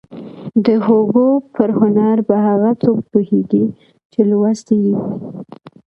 د هوګو پر هنر به هغه څوک پوهېږي چې لوستی يې وي.